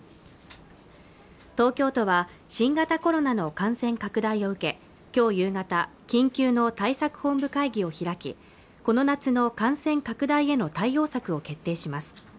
東京都は新型コロナの感染拡大を受けきょう夕方緊急の対策本部会議を開きこの夏の感染拡大への対応策を決定します